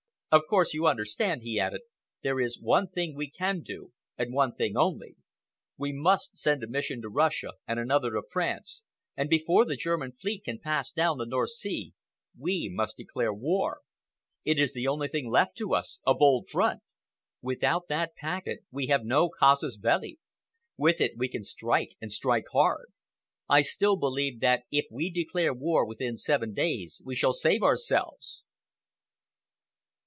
"Of course, you understand," he added, "there is one thing we can do, and one thing only. We must send a mission to Russia and another to France, and before the German fleet can pass down the North Sea we must declare war. It is the only thing left to us—a bold front. Without that packet we have no casus belli. With it, we can strike, and strike hard. I still believe that if we declare war within seven days, we shall save ourselves."